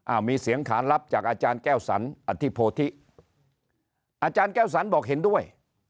มีเสียงขานรับจากอาจารย์แก้วสันอธิโพธิอาจารย์แก้วสันบอกเห็นด้วย